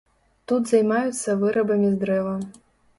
Тут займаюцца вырабамі з дрэва.